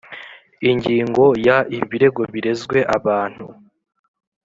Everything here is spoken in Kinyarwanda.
Ingingo ya ibirego birezwe abantu